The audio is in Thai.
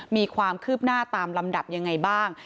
มีความคืบหน้าตามลำดับยังไงบ้าง